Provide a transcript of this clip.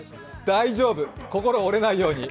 大丈夫、心折れないように。